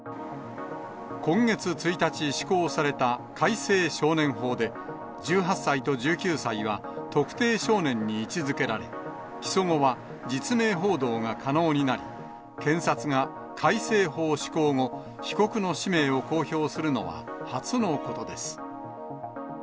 今月１日、施行された改正少年法で、１８歳と１９歳は特定少年に位置づけられ、起訴後は実名報道が可能になり、検察が改正法施行後、被告の氏名を公表するのは初のことです。